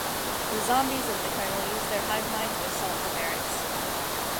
The zombies of the Colonel use their hive mind to assault the barracks.